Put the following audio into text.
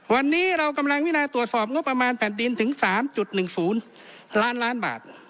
วันนี้เรากำลังวินาตรวจสอบงบประมาณแผ่นดินถึง๓๑๐ล้านล้านบาท